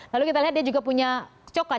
lalu kita lihat dia juga punya coklat